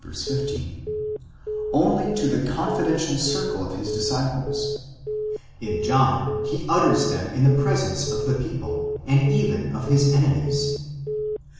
15) only to the confidential circle of his disciples; in John, he utters them in the presence of the people, and even of his enemies.